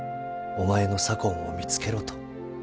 お前の左近を見つけろ」と。